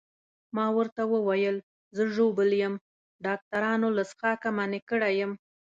ما ورته وویل زه ژوبل یم، ډاکټرانو له څښاکه منع کړی یم.